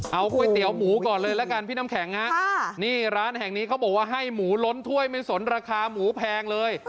เอาก๋วยเตี๋ยวหมูก่อนเลยละกันพี่น้ำแข็งฮะนี่ร้านแห่งนี้เขาบอกว่าให้หมูล้นถ้วยไม่สนราคาหมูแพงเลย